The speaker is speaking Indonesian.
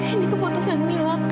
ini keputusan mila kak